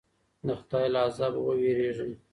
د خدای له عذابه وویریږئ.